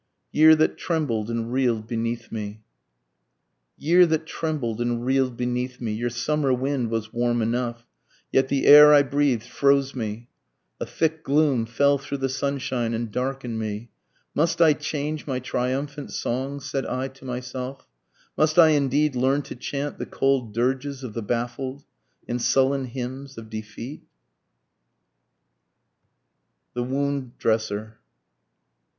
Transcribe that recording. YEAR THAT TREMBLED AND REEL'D BENEATH ME. Year that trembled and reel'd beneath me! Your summer wind was warm enough, yet the air I breathed froze me, A thick gloom fell through the sunshine and darken'd me, Must I change my triumphant songs? said I to myself, Must I indeed learn to chant the cold dirges of the baffled? And sullen hymns of defeat? THE WOUND DRESSER.